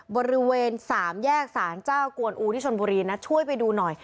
บริเวณสามแยกสารเจ้ากวนอูที่ชนบุรีนะช่วยไปดูหน่อย